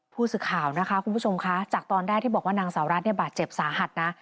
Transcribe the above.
ผู้สื่อข่าวนะคะคุณผู้ชมคะจากตอนแรกที่บอกว่านางสาวรัฐเนี่ยบาดเจ็บสาหัสนะ